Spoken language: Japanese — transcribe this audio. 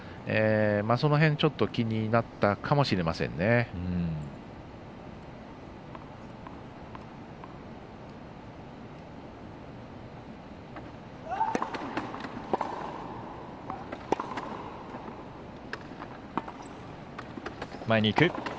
その辺がちょっと気になったかもしれませんよね。